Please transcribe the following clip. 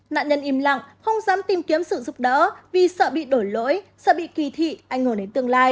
nạn nhân im lặng không dám tìm kiếm sự giúp đỡ vì sợ bị đổ lỗi sợ bị kỳ thị anh hồn đến tương lai